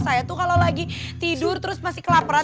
saya tuh kalau lagi tidur terus masih kelaparan